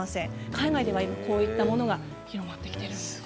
海外では今こういったものが広がってきているんです。